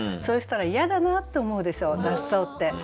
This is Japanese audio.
そうしたら嫌だなと思うでしょ雑草って。